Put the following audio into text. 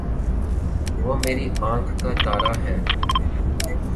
وہ میری آنکھ کا تارا ہے